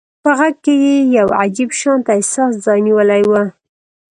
په غږ کې يې يو عجيب شانته احساس ځای نيولی و.